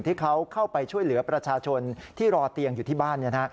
ที่เขาเข้าไปช่วยเหลือประชาชนที่รอเตียงอยู่ที่บ้าน